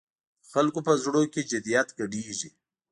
د خلکو په زړونو کې جدیت ګډېږي.